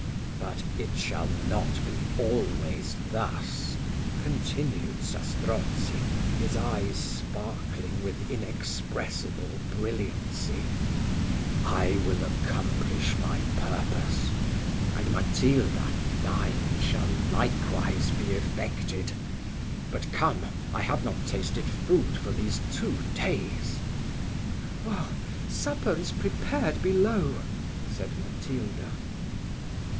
But it shall not be always thus," continued Zastrozzi, his eyes sparkling with inexpressible brilliancy; "I will accomplish my purpose; and, Matilda, thine shall likewise be effected. But, come, I have not tasted food for these two days." "Oh! supper is prepared below," said Matilda.